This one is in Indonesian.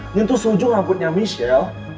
nyentuh selujung rambutnya michelle